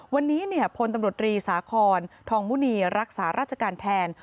วันนี้เนี่ยพลตำรวจรีศาขรทองบุณีรักษาราชการแทน